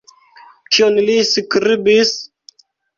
Kion li skribis?